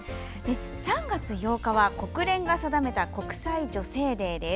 ３月８日は、国連が定めた国際女性デーです。